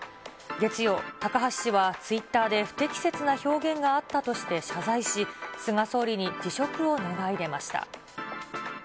月曜、高橋氏はツイッターで、不適切な表現があったとして謝罪し、菅総理に辞職を願い出ました。